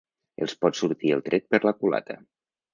Els pot sortir el tret per la culata.